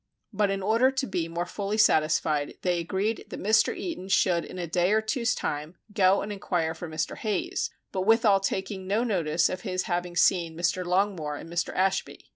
But in order to be more fully satisfied they agreed that Mr. Eaton should in a day or two's time go and enquire for Mr. Hayes, but withal taking no notice of his having seen Mr. Longmore and Mr. Ashby.